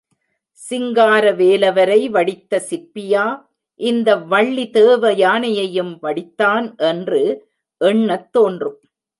சிங்கார வேலவரை வடித்த சிற்பியா இந்த வள்ளி தேவயானையையும் வடித்தான் என்று எண்ணத் தோன்றும்.